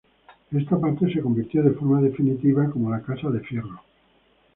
Esta parte se convirtió de forma definitiva como la Casa de Fierro.